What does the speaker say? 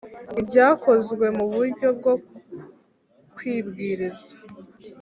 Ibyakozwe mu buryo bwo kwibwiriza